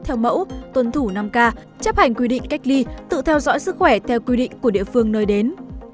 theo mẫu tuân thủ năm k chấp hành quy định cách ly tự theo dõi sức khỏe theo quy định của địa phương nơi đến